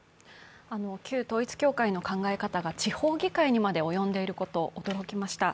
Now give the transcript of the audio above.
旧統一教会の考え方が地方議会にまで及んでいること、驚きました。